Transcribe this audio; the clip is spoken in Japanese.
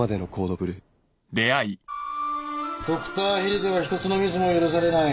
ドクターヘリでは一つのミスも許されない。